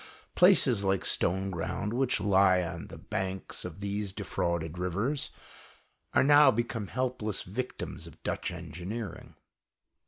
Places like Stoneground, which lie on the banks of these defrauded rivers, are now be come helpless victims of Dutch engineering.